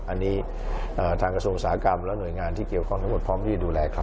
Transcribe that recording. อันนี้ทางกระทรวงอุตสาหกรรมและหน่วยงานที่เกี่ยวข้องทั้งหมดพร้อมที่จะดูแลครับ